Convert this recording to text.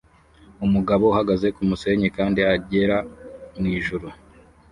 Umugabo uhagaze kumusenyi kandi agera mwijuru